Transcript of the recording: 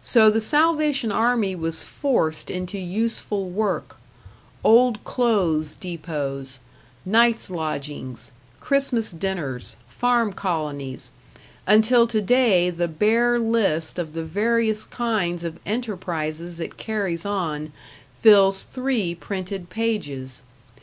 So the Salvation army was forced into useful work old clothes depots, nights lodgings, Christmas dinners, farm colonies until today the bare list of the various kinds of enterprises it carries on fills three printed pages.